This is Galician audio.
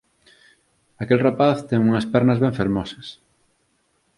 Aquel rapaz ten unhas pernas ben fermosas.